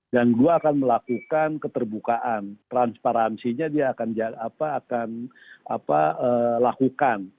dan gua akan melakukan keterbukaan transparansinya dia akan lakukan